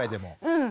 うん。